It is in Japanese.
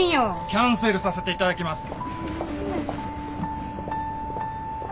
キャンセルさせていただきます！